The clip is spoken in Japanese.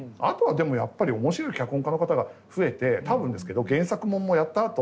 あとはでもやっぱり面白い脚本家の方が増えて多分ですけど原作もんもやった